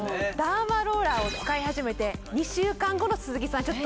ダーマローラーを使い始めて２週間後の鈴木さん